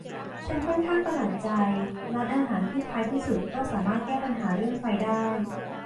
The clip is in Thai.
ฉันค่อนข้างประหลาดใจร้านอาหารที่ท้ายที่สุดก็สามารถแก้ปัญหาเรื่องไฟได้